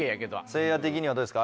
せいや的にはどうですか？